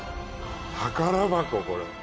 宝箱これ。